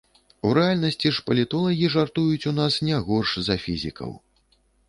У рэальнасці ж палітолагі жартуюць у нас не горш за фізікаў.